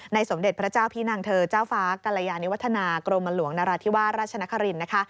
สมเด็จพระเจ้าพี่นางเธอเจ้าฟ้ากรยานิวัฒนากรมหลวงนราธิวาสราชนครินนะคะ